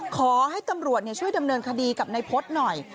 ขอให้ตำรวจช่วยดำเนินคดีกับนายพฤษหน่อย